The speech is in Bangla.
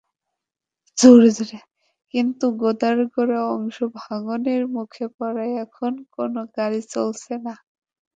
কিন্তু গোদারগোড়া অংশ ভাঙনের মুখে পড়ায় এখন কোনো গাড়ি চলছে না।